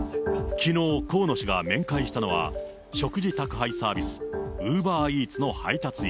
きのう、河野氏が面会したのは食事宅配サービス、ウーバーイーツの配達員。